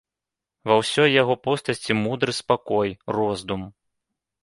Ва ўсёй яго постаці мудры спакой, роздум.